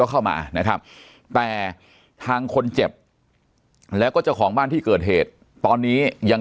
เข้ามานะครับแต่ทางคนเจ็บแล้วก็เจ้าของบ้านที่เกิดเหตุตอนนี้ยัง